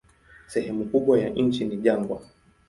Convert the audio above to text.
Sehemu kubwa ya nchi ni jangwa.